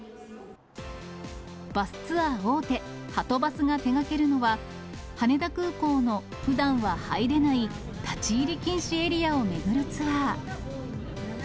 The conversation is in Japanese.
バスツアー大手、はとバスが手がけるのは、羽田空港のふだんは入れない立ち入り禁止エリアを巡るツアー。